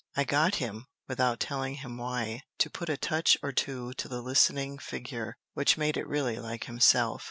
I got him, without telling him why, to put a touch or two to the listening figure, which made it really like himself.